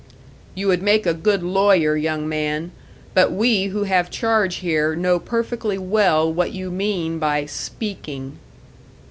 "You would make a good lawyer, young man. But we who have charge here know perfectly well what you mean by 'speaking'!"